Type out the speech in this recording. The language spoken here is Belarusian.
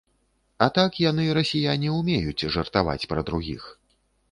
А так яны, расіяне, умеюць жартаваць пра другіх.